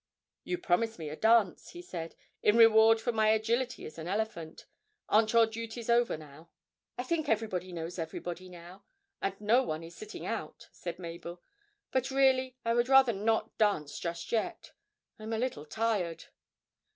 'You promised me a dance,' he said, 'in reward for my agility as an elephant. Aren't your duties over now?' 'I think everybody knows everybody now, and no one is sitting out,' said Mabel. 'But really I would rather not dance just yet; I'm a little tired.'